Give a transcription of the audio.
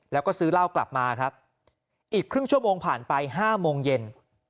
แล้วก็ซื้อเหล้ากลับมาครับอีกครึ่งชั่วโมงผ่านไป๕โมงเย็น